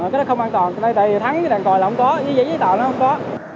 cái đó không an toàn tại vì thắng với đàn còi là không có với giấy tạo nó không có